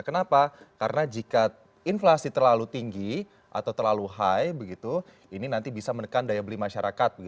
kenapa karena jika inflasi terlalu tinggi atau terlalu high begitu ini nanti bisa menekan daya beli masyarakat